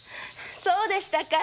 そうでしたか